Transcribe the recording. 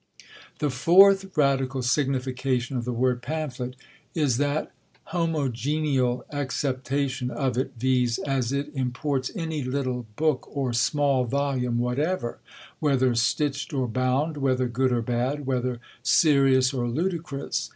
The fourth radical signification of the word Pamphlet is that homogeneal acceptation of it, viz., as it imports any little book, or small volume whatever, whether stitched or bound, whether good or bad, whether serious or ludicrous.